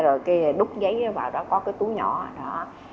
rồi đúc giấy vào đó có cái túi nhỏ đó